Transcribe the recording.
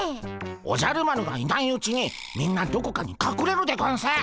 おじゃる丸がいないうちにみんなどこかにかくれるでゴンス。